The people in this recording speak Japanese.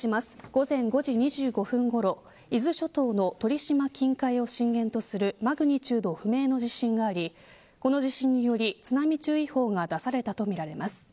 午前５時２５分ごろ伊豆諸島の鳥島近海を震源とするマグニチュード不明の地震がありこの地震により、津波注意報が出されたとみられます。